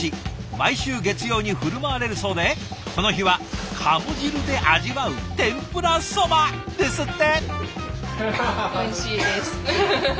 毎週月曜に振る舞われるそうでこの日はカモ汁で味わう天ぷらそばですって。